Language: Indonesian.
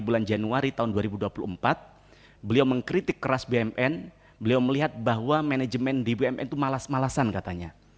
bulan januari tahun dua ribu dua puluh empat beliau mengkritik keras bumn beliau melihat bahwa manajemen di bumn itu malas malasan katanya